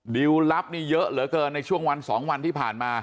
ดิวลลับนี่เยอะเหลือเกินในช่วงวัน๒วันที่ผ่านมา